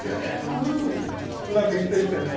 うまく行くといいっすよね。